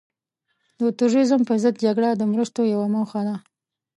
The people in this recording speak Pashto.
د تروریزم په ضد جګړه د مرستو یوه موخه وه.